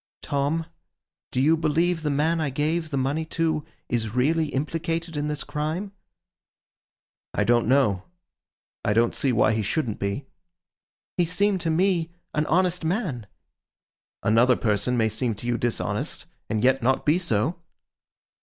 'Tom, do you believe the man I gave the money to, is really implicated in this crime?' 'I don't know. I don't see why he shouldn't be.' 'He seemed to me an honest man.' 'Another person may seem to you dishonest, and yet not be so.